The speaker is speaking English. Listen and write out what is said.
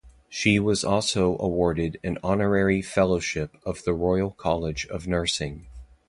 She was also awarded an Honorary Fellowship of the Royal College of Nursing.